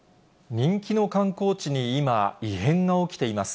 人気の観光地に今、異変が起きています。